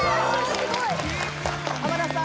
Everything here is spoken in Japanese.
・すごい浜田さん！